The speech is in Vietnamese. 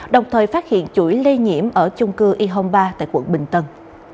đồng thời phát hiện chuỗi lây nhiễm ở chung cư y home ba tại quận bình tân